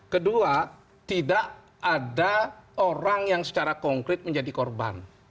kedua tidak ada orang yang secara konkret menjadi korban